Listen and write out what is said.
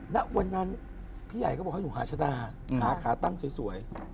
ณวันนั้นพี่ใหญ่ก็บอกให้หนูหาชะดาหาขาตั้งสวย